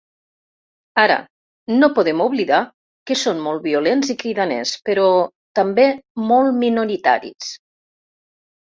Ara, no podem oblidar que són molt violents i cridaners però també molt minoritaris.